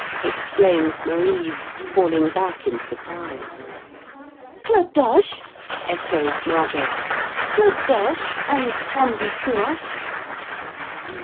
exclaimed Marise, falling back in surprise. "Clodoche!" echoed Margot. "Clodoche and from the sewers?"